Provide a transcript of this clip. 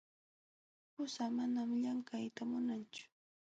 Qusaa manam llamkayta munanchu.